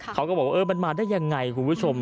เขาก็บอกว่ามันมาได้ยังไงคุณผู้ชม